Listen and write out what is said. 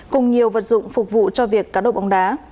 cùng nhiều vật dụng phục vụ cho việc cá độ bóng đá